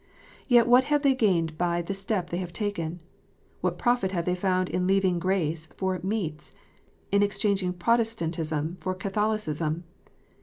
Yet what have they gained by the step they have taken "? What profit have they found in leaving " grace " for "meats," in exchanging Protestantism for Catholicism